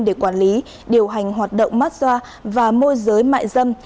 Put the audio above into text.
để quản lý điều hành hoạt động massage và môi giới mại dâm